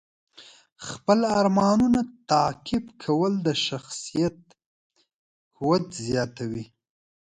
خپل ارمانونه تعقیب کول د شخصیت قوت زیاتوي.